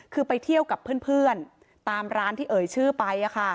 คือไปเที่ยวกับเพื่อนตามร้านที่เอ่ยชื่อไป